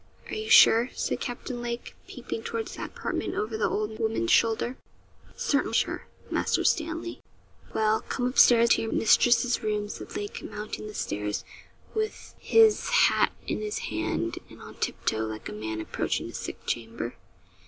'Are you sure?' said Captain Lake, peeping toward that apartment over the old woman's shoulder. 'Certain sure, Master Stanley.' 'Well, come up stairs to your mistress's room,' said Lake, mounting the stairs, with his hat in his hand, and on tip toe, like a man approaching a sick chamber.